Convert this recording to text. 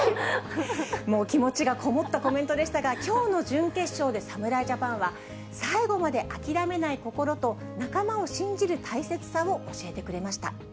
もう気持ちが込もったコメントでしたが、きょうの準決勝で侍ジャパンは、最後まで諦めない心と、仲間を信じる大切さを教えてくれました。